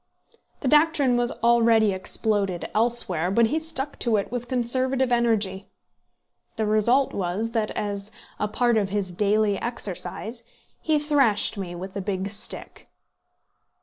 The doctrine was already exploded elsewhere, but he stuck to it with conservative energy. The result was that, as a part of his daily exercise, he thrashed me with a big stick.